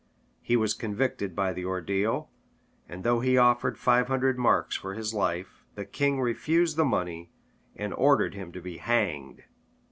He was convicted by the ordeal; and though he offered five hundred marks for his life, the king refused the money, and ordered him to be hanged.